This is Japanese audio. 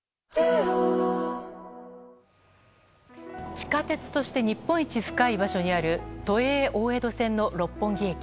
地下鉄として日本一深い場所にある都営大江戸線の六本木駅。